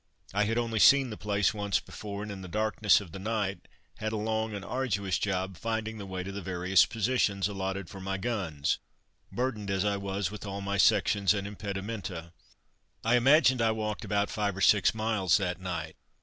I had only seen the place once before, and in the darkness of the night had a long and arduous job finding the way to the various positions allotted for my guns, burdened as I was with all my sections and impedimenta. I imagine I walked about five or six miles that night.